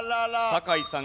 酒井さん